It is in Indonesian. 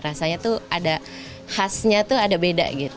rasanya tuh ada khasnya tuh ada beda gitu